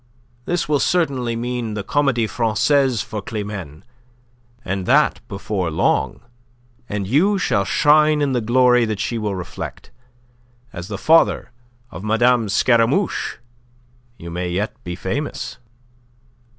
This will certainly mean the Comedie Francaise for Climene, and that before long, and you shall shine in the glory she will reflect. As the father of Madame Scaramouche you may yet be famous."